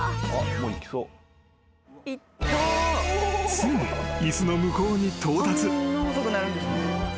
［ついに椅子の向こうに到達］